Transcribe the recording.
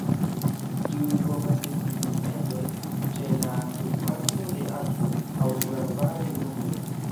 Tiuj povas esti en fendoj, ĉe la surfaco de akvo, aŭ sur arbaraj grundoj.